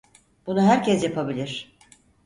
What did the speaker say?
Bunu herkes yapabilir.